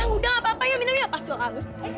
udah gak apa apa minum yuk pasti lo kaget